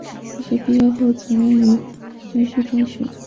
大学毕业后曾任教于敦叙中学。